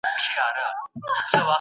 چي شېردل يې کړ د دار تمبې ته پورته.